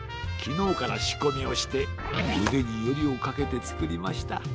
きのうからしこみをしてうでによりをかけてつくりました。